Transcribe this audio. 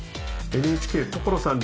「ＮＨＫ『所さん！